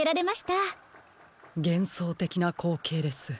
げんそうてきなこうけいです。